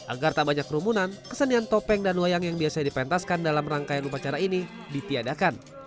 agar tak banyak kerumunan kesenian topeng dan wayang yang biasa dipentaskan dalam rangkaian upacara ini ditiadakan